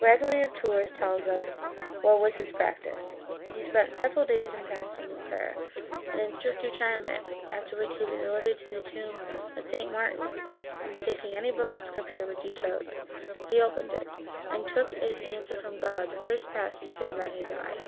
Gregory of Tours tells us what was his practice. He spent several days in fasting and prayer, and in strict retirement, after which he resorted to the tomb of St. Martin, and taking any book of Scripture which he chose, he opened it, and took as answer 256 Sortes Sacrae from God the first passage that met his eye.